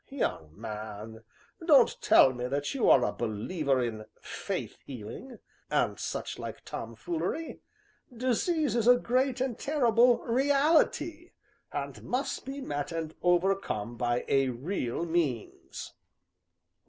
"Young man, don't tell me that you are a believer in Faith Healing, and such like tomfoolery; disease is a great and terrible reality, and must be met and overcome by a real means."